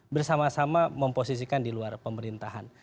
bersama sama memposisikan di luar pemerintahan